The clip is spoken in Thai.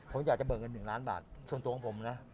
ผมอยากจะเบิกเงิน๑ล้านบาทส่วนตัวของผมนะ